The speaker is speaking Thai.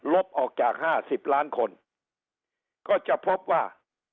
ลบออกจากห้าสิบล้านคนก็จะพบว่า